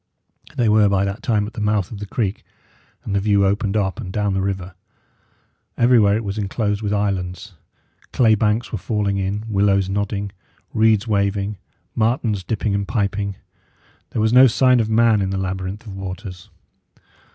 They were by that time at the mouth of the creek, and the view opened up and down the river. Everywhere it was enclosed with islands. Clay banks were falling in, willows nodding, reeds waving, martens dipping and piping. There was no sign of man in the labyrinth of waters.